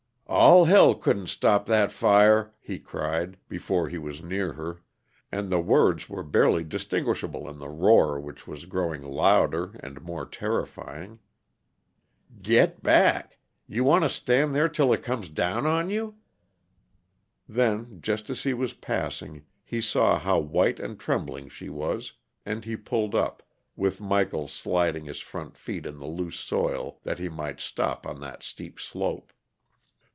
"All hell couldn't stop that fire!" he cried, before he was near her, and the words were barely distinguishable in the roar which was growing louder and more terrifying. "Get back! You want to stand there till it comes down on you?" Then, just as he was passing, he saw how white and trembling she was, and he pulled up, with Michael sliding his front feet in the loose soil that he might stop on that steep slope.